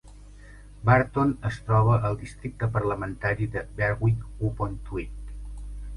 Burton es troba al districte parlamentari de Berwick-upon-Tweed.